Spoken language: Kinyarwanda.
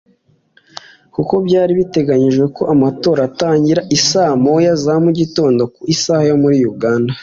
kuko byari biteganyijwe ko amatora atangira isaa moya za mu gitondo ku isaha yo muri Uganda